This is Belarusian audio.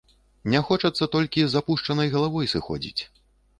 Не хочацца толькі з апушчанай галавой сыходзіць.